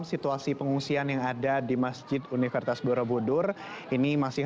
situasi pengungsian di sana